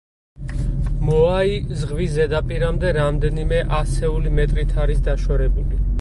მოაი ზღვის ზედაპირამდე რამდენიმე ასეული მეტრით არის დაშორებული.